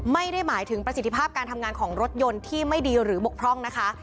ไม่ได้หมายถึงประสิทธิภาพการทำงานของรถยนต์ที่ไม่ดีหรือบกพร่องนะคะ